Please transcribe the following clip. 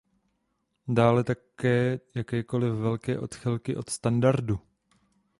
Dále také jakékoliv velké odchylky od standardu.